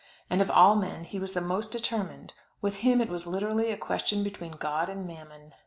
And of all men he was the most determined; with him it was literally a question between God and Mammon.